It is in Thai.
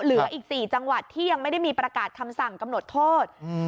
เหลืออีก๔จังหวัดที่ยังไม่ได้มีประกาศคำสั่งกำหนดโทษ